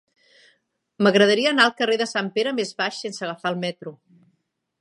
M'agradaria anar al carrer de Sant Pere Més Baix sense agafar el metro.